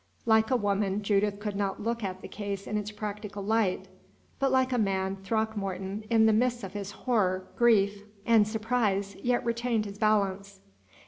Like a woman, Judith could not look at the case in its practical light; but like a man, Throckmorton, in the midst of his horror, grief, and surprise, yet retained his balance.